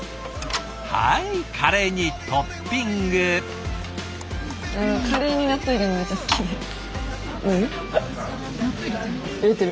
はいカレーにトッピング。入れてる。